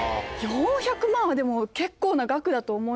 ４００万はでも結構な額だと思います。